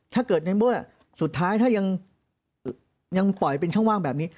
ถ้าเกิดในเมื่อสุดท้ายถ้ายังปล่อยเป็นช่องว่างแบบนี้